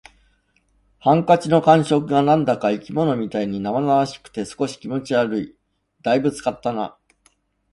ハンカチの感触が何だか生き物みたいに生々しくて、少し気持ち悪い。「大分使ったな」